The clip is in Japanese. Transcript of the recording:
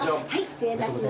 失礼いたします。